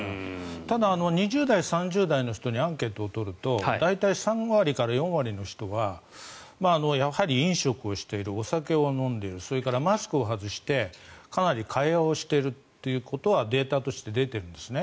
ただ２０代、３０代の人にアンケートを取ると大体３割から４割の人はやはり飲食をしているお酒を飲んでいるそれからマスクを外してかなり会話をしていることはデータとして出ているんですね。